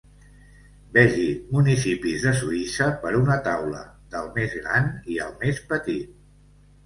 Vegi municipis de Suïssa per una taula del més gran i el més petit.